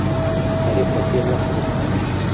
تاریخ د تیر وخت پوهنه ده